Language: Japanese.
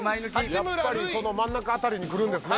やっぱり真ん中辺りにくるんですね。